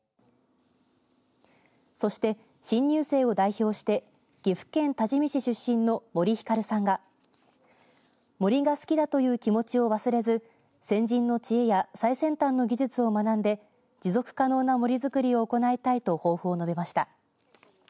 そして、新入生を代表して岐阜県多治見市出身の森日香留さんが森が好きだという気持ちを忘れず先人の知恵や最先端の技術を学んで持続可能な森づくりを行いたいと抱負を述べました。